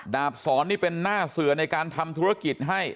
บสอนนี่เป็นหน้าเสือในการทำธุรกิจให้